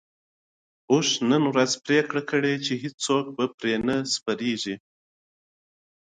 اوښ نن ورځ پرېکړه کړې چې هيڅوک پرې نه سپروي.